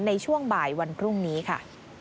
ในช่วงบ่ายวันพรุ่งนี้ค่ะ